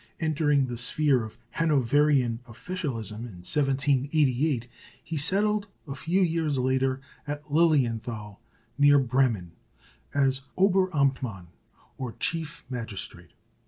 Entering the sphere of Hanoverian officialism in 1788, he settled a few years later at Lilienthal, near Bremen, as "Oberamtmann," or chief magistrate.